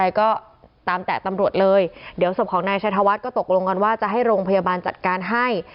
แล้วก็ตมแท่ตรงนั้นเลยเดี๋ยวศพของนายชัยธวัฒน์ก็ตกลงว่าจะให้โรงพยาบาลจัดการให้ใช่